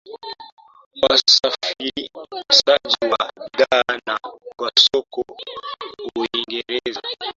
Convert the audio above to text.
wasafirishaji wa bidhaa na kwa soko la uingereza